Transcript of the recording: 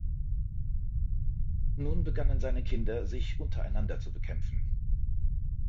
Nun begannen seine Kinder, sich untereinander zu bekämpfen.